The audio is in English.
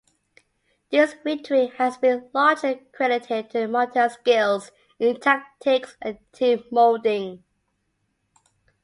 This victory has been largely credited to Montali's skills in tactics and team-moulding.